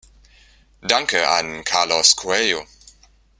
Danke an Carlos Coelho!